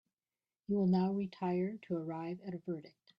You will now retire to arrive at a verdict.